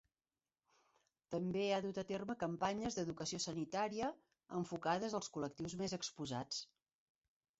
També ha dut a terme campanyes d'educació sanitària enfocades als col·lectius més exposats.